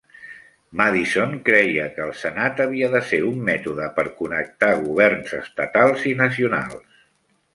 Madison creia que el Senat havia de ser un mètode per connectar governs estatals i nacionals.